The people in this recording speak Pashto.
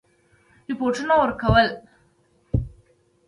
رپوټونه ورکول.